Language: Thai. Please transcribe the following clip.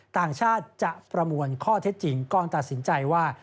ต่างชาติจะประมวลข้อเท็จจริงก่อนตัดสินใจว่า